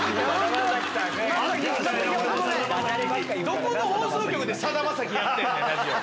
どこの放送局でさだまさきやってんねんラジオ。